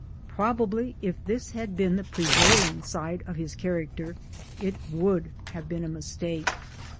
Probably if this had been the prevailing side of his character it would, have been a mistake.